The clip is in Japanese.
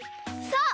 そう！